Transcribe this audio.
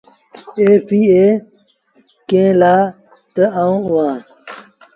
ايٚ سهيٚ اهي ڪݩهݩ لآ تا آئوٚنٚ اهآنٚ۔